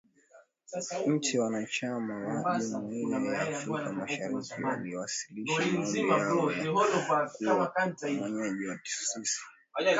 Nchi wanachama wa Jumuiya ya Afrika Mashariki waliwasilisha maombi yao ya kuwa mwenyeji wa taasisi